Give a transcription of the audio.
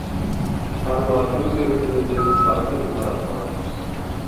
ھارۋا چوڭ كۆۋرۈكتىن ئۆتۈپ قارا دۆڭگە قاراپ ماڭدى.